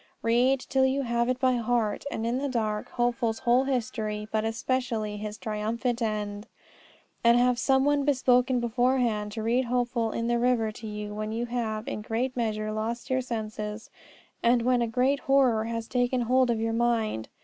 Read, till you have it by heart and in the dark, Hopeful's whole history, but especially his triumphant end. And have some one bespoken beforehand to read Hopeful in the River to you when you have in a great measure lost your senses, and when a great horror has taken hold of your mind.